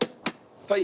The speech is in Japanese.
はい。